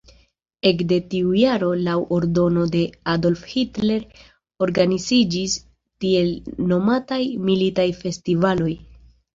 Ekde tiu jaro laŭ ordono de Adolf Hitler organiziĝis tiel nomataj "militaj festivaloj".